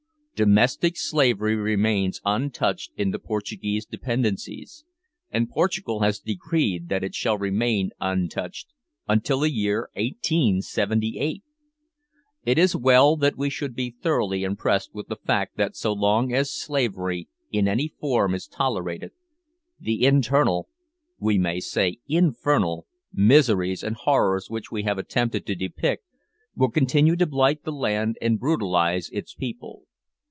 Domestic slavery remains untouched in the Portuguese dependencies, and Portugal has decreed that it shall remain untouched until the year 1878! It is well that we should be thoroughly impressed with the fact that so long as slavery in any form is tolerated, the internal we may say infernal miseries and horrors which we have attempted to depict will continue to blight the land and brutalise its people.